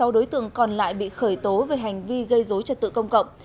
một mươi sáu đối tượng còn lại bị khởi tố về hành vi gây dối trật tự công cộng